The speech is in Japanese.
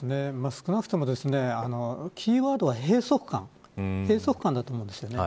少なくともキーワードは閉塞感だと思うんですよね。